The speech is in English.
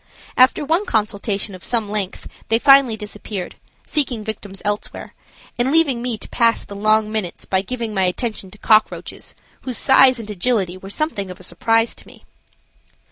After one consultation of some length they finally disappeared, seeking victims elsewhere, and leaving me to pass the long minutes by giving my attention to cockroaches, whose size and agility were something of a surprise to me.